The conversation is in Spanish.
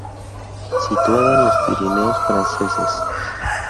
Situada en los Pirineos franceses.